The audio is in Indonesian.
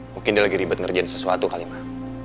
mungkin dia lagi ribet ngerjain sesuatu kalimah